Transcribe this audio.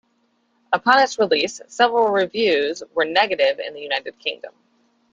Upon its release, several reviews were negative in the United Kingdom.